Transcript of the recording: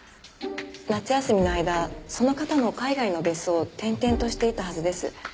夏休みの間その方の海外の別荘を転々としていたはずです。